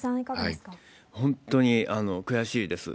本当に悔しいです。